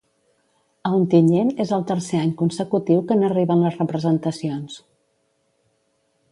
A Ontinyent és el tercer any consecutiu que n’arriben les representacions.